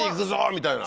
みたいな。